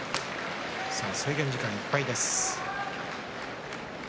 制限時間いっぱいです。